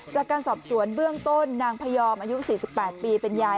จากการสอบสวนเบื้องต้นนางพยอมอายุ๔๘ปีเป็นยาย